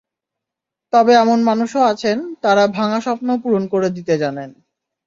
তবে এমন মানুষও আছেন তাঁরা ভাঙা স্বপ্ন পূরণ করে দিতে জানেন।